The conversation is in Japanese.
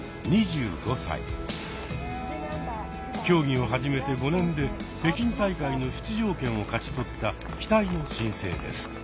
競技を始めて５年で北京大会の出場権を勝ち取った期待の新星です。